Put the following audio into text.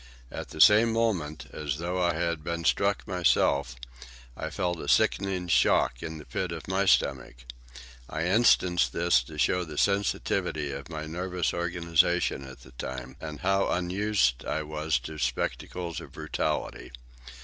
At the same moment, as though I had been struck myself, I felt a sickening shock in the pit of my stomach. I instance this to show the sensitiveness of my nervous organization at the time, and how unused I was to spectacles of brutality.